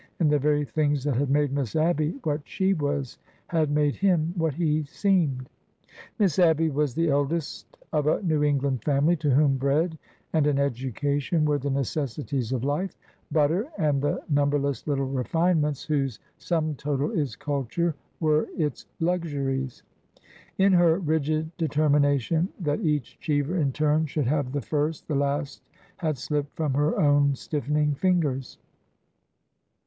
And the very things that had made Miss Abby what she was had made him what he seemed. Miss Abby was the eldest of a New England family, to whom bread and an education were the necessities of life,— butter, and the numberless little refinements whose A GROWN UP MAN" 103 sum total is culture, were its luxuries. In her rigid deter mination that each Cheever in turn should have the first, the last had slipped from her own stiffening fingers.